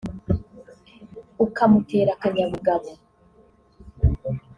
ukamutera akanyabugabo